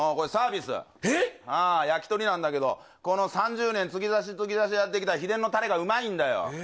焼き鳥なんだけど、この３０年継ぎ足し継ぎ足しやってきた秘伝のたれがうまいんだよ。